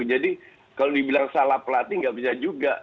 jadi kalau dibilang salah pelatih tidak bisa juga